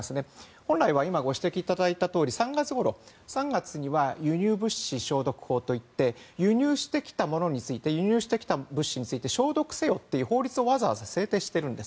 本来は今ご指摘いただいたとおり３月には輸入物資消毒法といって輸入してきた物資について消毒せよという法律をわざわざ制定しているんです。